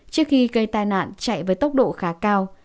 trước khi gây tai nạn chạy với tốc độ khá cao